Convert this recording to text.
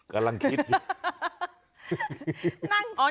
กำลังคิด